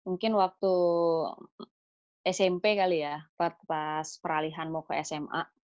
mungkin waktu smp kali ya pas peralihan mau ke sma